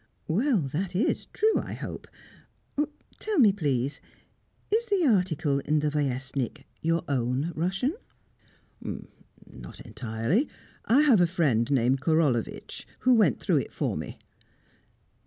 "Well, that is true, I hope. Tell me, please; is the article in the Vyestnik your own Russian?" "Not entirely. I have a friend named Korolevitch, who went through it for me."